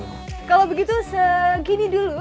kalau begitu segini dulu